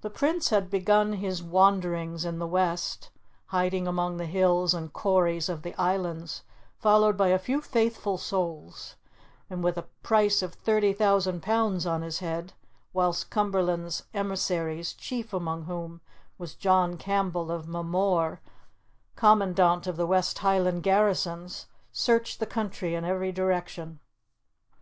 The Prince had begun his wanderings in the West, hiding among the hills and corries of the islands, followed by a few faithful souls, and with a price of thirty thousand pounds on his head, whilst Cumberland's emissaries, chief among whom was John Campbell of Mamore, Commandant of the West Highland garrisons, searched the country in every direction.